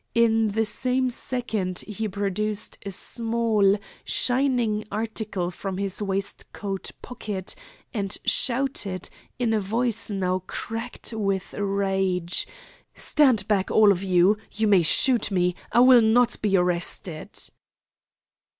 In the same second he produced a small, shining article from his waistcoat pocket, and shouted, in a voice now cracked with rage: "Stand back, all of you. You may shoot me! I will not be arrested!"